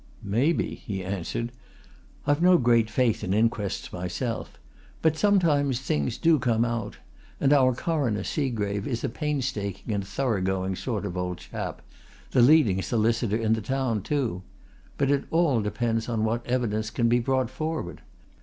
"Maybe," he answered. "I've no great faith in inquests myself. But sometimes things do come out. And our coroner, Seagrave, is a painstaking and thorough going sort of old chap the leading solicitor in the town too. But it all depends on what evidence can be brought forward.